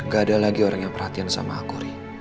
gak ada lagi orang yang perhatian sama akuri